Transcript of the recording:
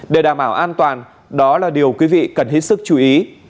để đảm bảo an toàn đó là điều quý vị cần hết sức chú ý